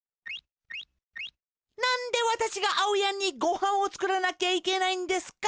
なんでわたしがあおやんにごはんをつくらなきゃいけないんですか？